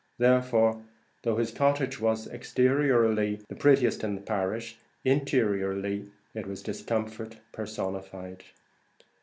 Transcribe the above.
Therefore, though his cottage was, exteriorly, the prettiest house in his parish, interiorly, it was discomfort personified.